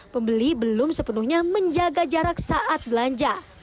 pembeli belum sepenuhnya menjaga jarak saat belanja